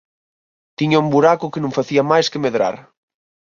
Tiña un buraco que non facía máis que medrar